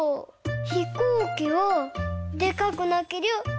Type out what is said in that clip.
ひこうきはでかくなけりゃ